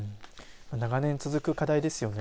長年続く課題ですよね。